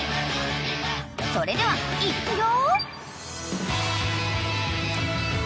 ［それではいっくよ！］